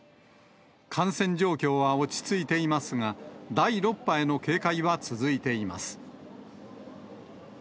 感染状況は落ち着いていますが、第６波への警戒は続いています。